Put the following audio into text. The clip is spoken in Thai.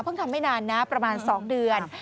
ทำไม่นานนะประมาณ๒เดือน